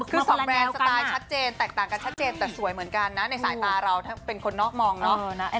คือสองแบรนด์สไตล์ชัดเจนแตกต่างกันชัดเจนแต่สวยเหมือนกันนะในสายตาเราถ้าเป็นคนนอกมองเนาะ